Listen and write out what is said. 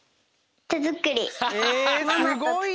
えすごいね。